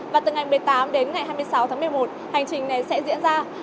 và từ ngày một mươi tám đến ngày hai mươi sáu tháng một mươi một hành trình này sẽ diễn ra